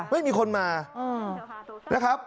ไม่มีคนมานะครับ